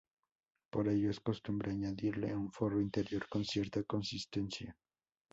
Por ello, es costumbre añadirle un forro interior con cierta consistencia.